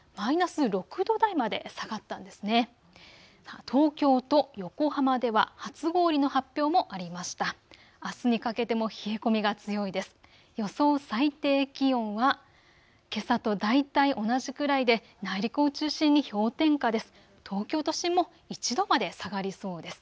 最低気温はけさと大体同じくらいで内陸を中心に氷点下です。